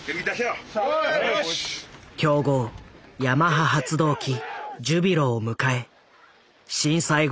強豪ヤマハ発動機ジュビロを迎え震災後